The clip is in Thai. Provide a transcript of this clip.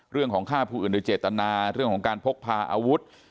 เรื่องของฆ่าผู้อื่นโดยเจตนาเรื่องของการพกพาอาวุธ